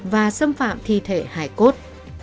và xâm phạm thi thể hải cốt